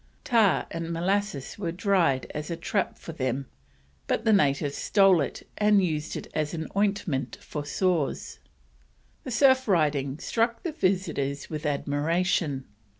Tar and molasses was tried as a trap for them, but the natives stole it and used it as ointment for sores. The surf riding struck the visitors with admiration.